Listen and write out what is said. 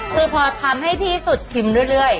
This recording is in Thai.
คือพอทำให้พี่สุดชิมเรื่อย